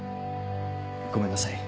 ごめんなさい。